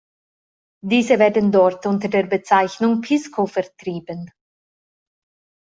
Diese werden dort unter der Bezeichnung Pisco vertrieben.